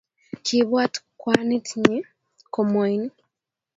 kiibwat kwanit nyi komwaini